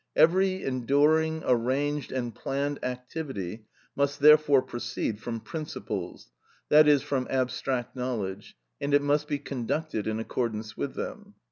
Every enduring, arranged, and planned activity must therefore proceed from principles,—that is, from abstract knowledge, and it must be conducted in accordance with them.